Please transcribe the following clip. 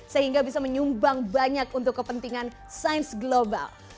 sehingga bisa menyumbang banyak untuk kepentingan sains global